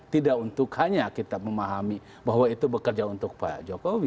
tidak untuk hanya kita memahami bahwa itu bekerja untuk pak jokowi